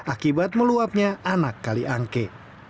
akibat meluapnya anak kaliangke